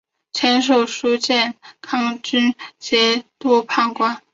授签书建康军节度判官。